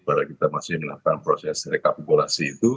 padahal kita masih melakukan proses rekapitulasi itu